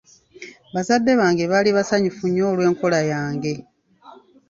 Bazadde bange baali basanyufu nnyo olw'enkola yange.